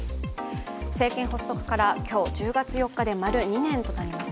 政権発足から今日、１０月４日で丸２年となります。